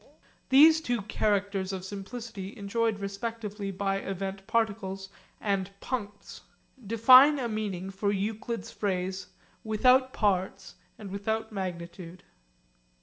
These two characters of simplicity enjoyed respectively by event particles and puncts define a meaning for Euclid's phrase, 'without parts and without magnitude.'